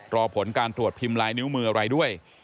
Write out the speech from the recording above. รอผลการตรวจพิมพ์ลายนิ้วมืออะไรด้วย